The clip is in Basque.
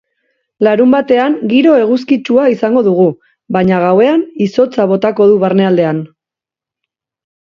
Larunbatean giro eguzkitsua izango dugu, baina gauean izotza botako du barnealdean.